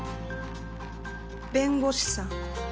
弁護士さん。